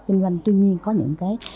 kinh doanh tuy nhiên có những cái